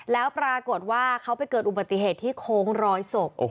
แล้วปรากฏว่าเขาไปเกิดอุบัติเหตุที่โค้งร้อยศพ